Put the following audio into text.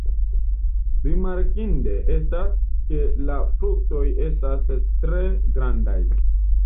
Rimarkinde estas, ke la fruktoj estas tre grandaj.